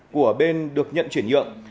của bên được nhận chuyển nhượng